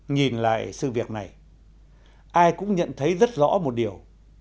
nhìn lại sự việc này ai cũng nhận thấy rất rõ một điều